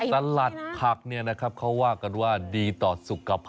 สลัดผักเขาว่ากันว่าดีต่อสุขภาพ